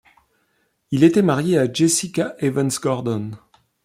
Il était marié à Jessica Evans-Gordon.